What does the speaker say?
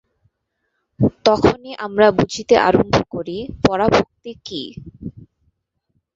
তখনই আমরা বুঝিতে আরম্ভ করি, পরাভক্তি কি।